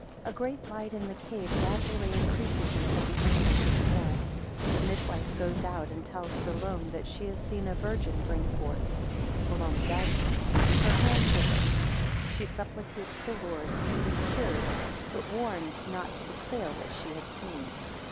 11 A great light in the cave, gradually increases until the infant is born. 13 The mid wife goes out, and tells Salome that she has seen a virgin bring forth. 17 Salome doubts it. 20 her hand withers, 22 she supplicates the Lord, 28 is cured, 30 but warned not to declare what she had seen.